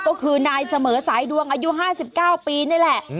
ก็คือนายเสมอสายดวงอายุ๕๙ปีนี่แหละ